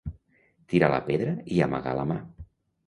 Tirar la pedra i amagar la mà.